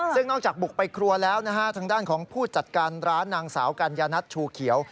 ซึ่งนอกจากบุกไปครัวแล้วนะฮะทางด้านของผู้จัดการร้านนางสาวกัญญานัทชูเขียว